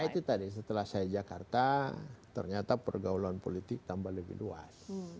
ya itu tadi setelah saya jakarta ternyata pergaulan politik tambah lebih luas